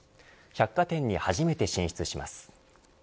百貨店に初めて進出します。